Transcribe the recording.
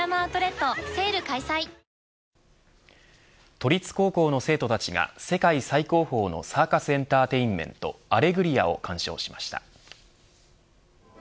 都立高校の生徒たちが世界最高峰のサーカスエンターテインメントアレグリアを鑑賞しました。